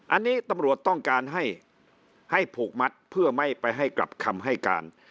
อันนี้ตำรวจต้องการให้ผูกมัดเพื่อไม่ไปให้กลับคำให้การ